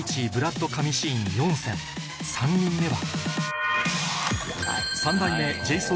３人目は